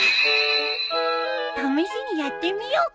試しにやってみようか？